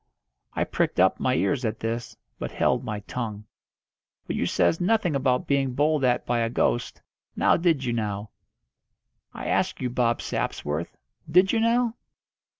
I pricked up my ears at this, but held my tongue. "But you says nothing about being bowled at by a ghost, now did you now; I ask you, Bob Sapsworth, did you now?"